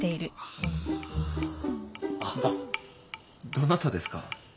どなたですか？